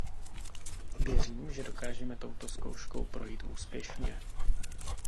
Věřím, že dokážeme touto zkouškou projít úspěšně.